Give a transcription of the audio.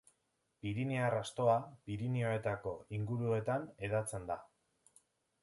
Piriniar astoa Pirinioetako inguruetan hedatzen da.